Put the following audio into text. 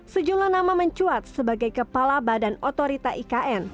sejumlah nama mencuat sebagai kepala badan otorita ikn